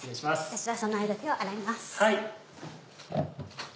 私はその間手を洗います。